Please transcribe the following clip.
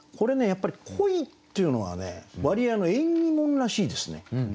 やっぱり「鯉」っていうのは割合縁起物らしいですね。